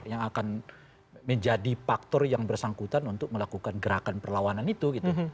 yang akan menjadi faktor yang bersangkutan untuk melakukan gerakan perlawanan itu